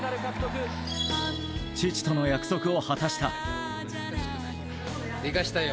父との約束を果たした。